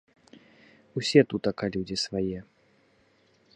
Усе тутака людзі свае.